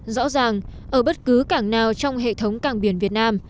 rõ ràng ở bất cứ cảng nào trong hệ thống cảng biển việt nam